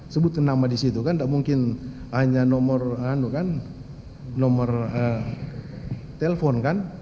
sebut nama disitu kan gak mungkin hanya nomor telepon kan